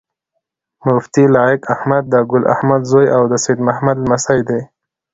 مفتي لائق احمد د ګل احمد زوي او د سيد محمد لمسی دی